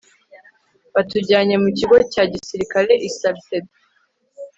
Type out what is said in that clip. batujyanye mu kigo cya gisirikare i salcedo